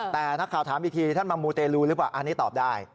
แต่นักข่าวถามอีกทีท่านมามูเตรลูหรือเปล่าอันนี้ตอบได้